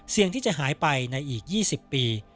เสี่ยงที่จะหายไปในอีก๒๐ปี